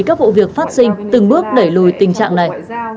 các vụ việc phát sinh từng bước đẩy lùi tình trạng này